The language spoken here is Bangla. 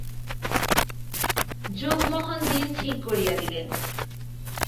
জগমোহন দিন ঠিক করিয়া দিলেন।